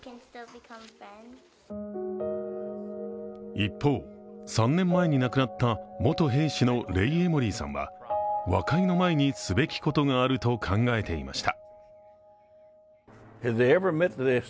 一方、３年前に亡くなった元兵士のレイ・エモリーさんは和解の前にすべきことがあると考えていました。